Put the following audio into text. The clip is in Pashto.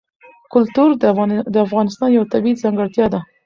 کلتور د افغانستان یوه طبیعي ځانګړتیا ده.